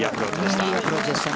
いいアプローチでした。